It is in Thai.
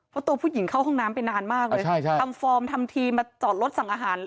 เพราะตัวผู้หญิงเข้าห้องน้ำไปนานมากเลยใช่ใช่ทำฟอร์มทำทีมาจอดรถสั่งอาหาร